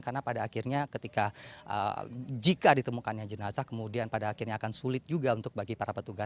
karena pada akhirnya ketika jika ditemukannya jenazah kemudian pada akhirnya akan sulit juga untuk bagi para petugas